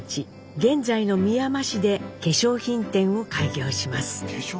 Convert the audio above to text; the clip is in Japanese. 現在のみやま市で化粧品店を開業します。